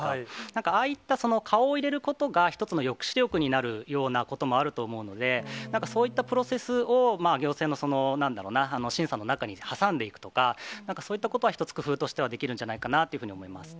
なんか、ああいった顔を入れることが一つの抑止力になるようなこともあると思うんで、なんかそういったプロセスを、行政の、なんだろうな、審査の中に挟んでいくとか、なんかそういったことは一つ、工夫としてはできるんじゃないかなと思います。